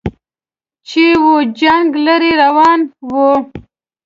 چې و جنګ لره روان و